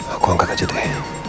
aku angkat aja deh